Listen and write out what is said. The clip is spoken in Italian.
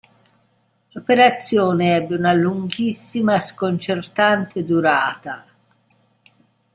L'operazione ebbe una lunghissima, sconcertante durata.